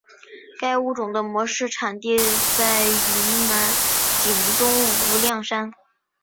该物种的模式产地在云南景东无量山。